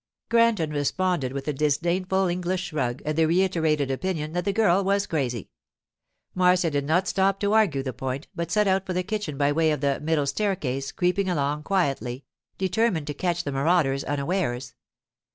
Granton responded with a disdainful English shrug and the reiterated opinion that the girl was crazy. Marcia did not stop to argue the point, but set out for the kitchen by way of the 'middle staircase,' creeping along quietly, determined to catch the marauders unawares.